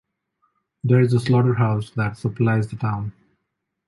There is a slaughterhouse that supplies the town.